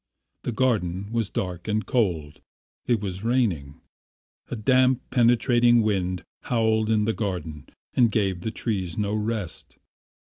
The garden was dark and cold. It was raining. A damp, penetrating wind howled in the garden and gave the trees no rest.